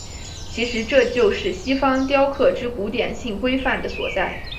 其实这就是西方雕刻之古典性规范的所在。